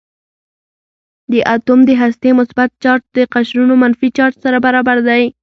د اتوم د هستې مثبت چارج د قشرونو منفي چارج سره برابر دی.